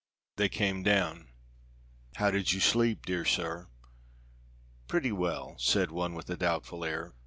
They came down. "How did you sleep, dear sir?" "Pretty well," said one with a doubtful air.